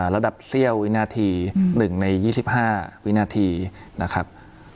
ระดับเสี้ยววินาที๑ใน๒๕วินาทีนะครับ